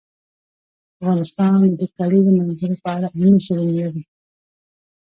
افغانستان د د کلیزو منظره په اړه علمي څېړنې لري.